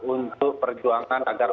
untuk perjuangan agar